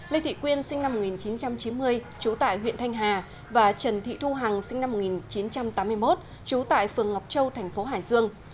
lê thị quyên sinh năm một nghìn chín trăm chín mươi trú tại huyện thanh hà và trần thị thu hằng sinh năm một nghìn chín trăm tám mươi một trú tại phường ngọc châu thành phố hải dương